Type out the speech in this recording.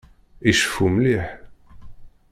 Iceffu mliḥ.